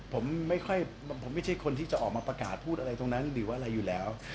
ผมไม่ค่อยผมไม่ใช่คนที่จะออกมาประกาศพูดอะไรตรงนั้นหรือว่าอะไรอยู่แล้ว